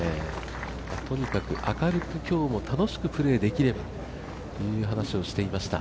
とにかく明るく楽しく、今日もプレーできればという話をしていました。